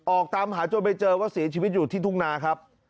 ออกตามหาจนไปเจอว่าเสียชีวิตอยู่ที่ทุ่งนาครับ